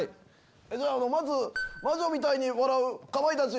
まず魔女みたいに笑う「かまいたち」